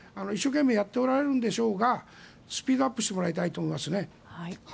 一生懸命やっておられるんでしょうがスピードアップしてもらいたいと思いますね。